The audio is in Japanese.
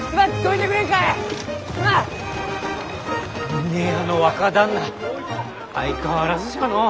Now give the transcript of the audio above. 峰屋の若旦那相変わらずじゃのう。